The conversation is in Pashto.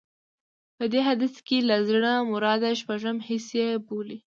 په دې حديث کې له زړه مراد شپږم حس يې بولي.